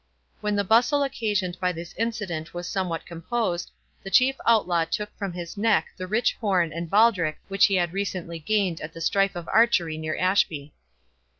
When the bustle occasioned by this incident was somewhat composed, the chief Outlaw took from his neck the rich horn and baldric which he had recently gained at the strife of archery near Ashby.